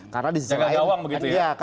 jangan gawang begitu ya